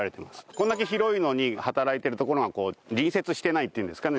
これだけ広いのに働いている所が隣接してないっていうんですかね